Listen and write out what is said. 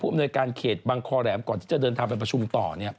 อำนวยการเขตบังคอแหลมก่อนที่จะเดินทางไปประชุมต่อ